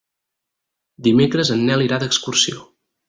Dimecres en Nel irà d'excursió.